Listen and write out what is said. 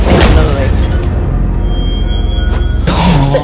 เต็มเลย